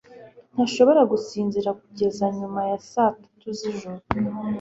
ntashobora gusinzira kugeza nyuma ya saa tatu zijoro